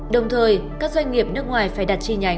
đồng thời các doanh nghiệp nước ngoài phải đặt chi nhánh